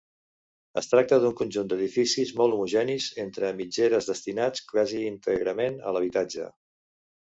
Es tracta d'un conjunt d'edificis molt homogenis entre mitgeres destinats quasi íntegrament a l'habitatge.